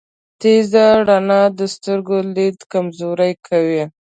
تیزه رڼا د سترګو لید کمزوری کوی.